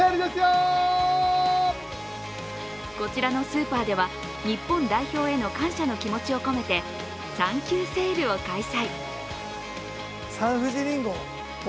こちらのスーパーでは日本代表への感謝の気持ちを込めてサンキューセールを開催。